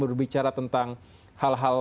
berbicara tentang hal hal